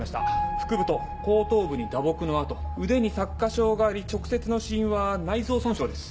腹部と後頭部に打撲の痕腕に擦過傷があり直接の死因は内臓損傷です。